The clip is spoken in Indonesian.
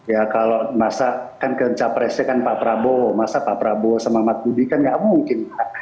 ya kalau masa kan capresnya kan pak prabowo masa pak prabowo sama mas budi kan nggak mungkin